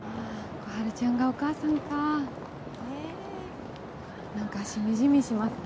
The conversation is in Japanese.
小春ちゃんがお母さんかあ何かしみじみしますね